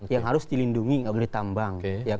yang harus dilindungi gak boleh tambang